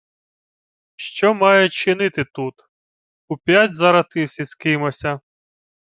— Що має чинити тут? Уп'ять заративсь із кимося?